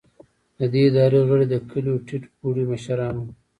د دې ادارې غړي د کلیو ټیټ پوړي مشران وو.